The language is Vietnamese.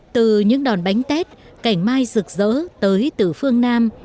từ những đòn bánh tết cảnh mai rực rỡ tới từ phương nam